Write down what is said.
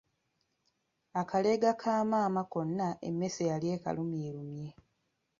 Akaleega ka maama konna emmese yali ekalumyerumye.